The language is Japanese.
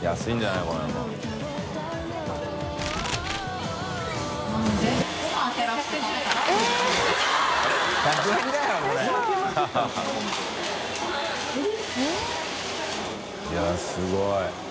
いすごい。